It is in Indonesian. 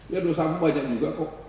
ya dosamu banyak juga kok